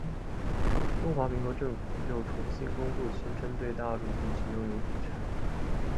中华民国政府又重新公开宣称对大陆地区拥有主权。